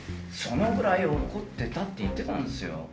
そのぐらい怒ってたって言ってたんすよ